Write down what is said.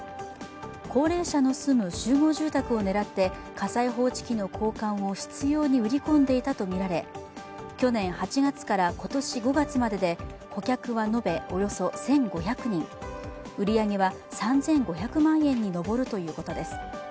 高齢者の住む集合住宅を狙って火災報知器の交換を執ように売り込んでいたとみられ、去年８月から今年５月までで顧客は延べおよそ１５００人、売り上げは３５００万円に上るということです。